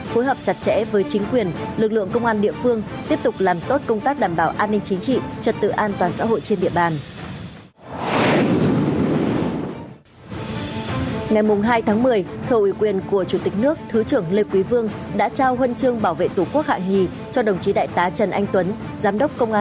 phối hợp chặt chẽ với chính quyền lực lượng công an địa phương tiếp tục làm tốt công tác đảm bảo an ninh chính trị trật tự an toàn xã hội trên địa bàn